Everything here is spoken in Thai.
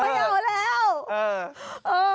ไม่เอาแล้ว